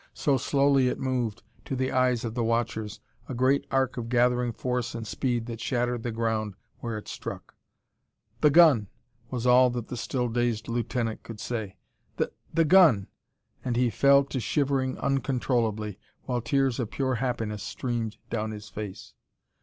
So slowly it moved, to the eyes of the watchers a great arc of gathering force and speed that shattered the ground where it struck. "The gun!" was all that the still dazed lieutenant could say. "The the gun!" And he fell to shivering uncontrollably, while tears of pure happiness streamed down his face.